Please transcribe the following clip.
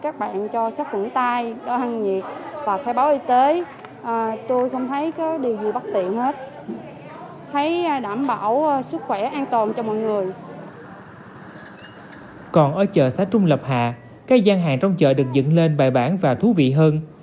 còn ở chợ xã trung lập hạ các gian hàng trong chợ được dựng lên bài bản và thú vị hơn